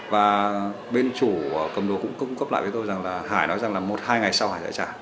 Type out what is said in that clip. và bên chủ cầm đồ cũng cung cấp lại với tôi rằng là hải nói rằng là một hai ngày sau hải lại trả